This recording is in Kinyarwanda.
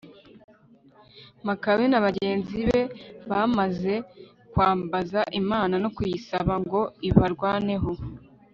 makabe na bagenzi be bamaze kwambaza imana no kuyisaba ngo ibarwaneho